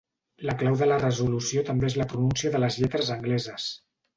La clau de la resolució també és la pronúncia de les lletres angleses.